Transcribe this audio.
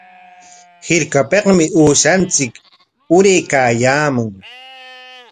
Hirkapikmi uushanchik uraykaayaamun.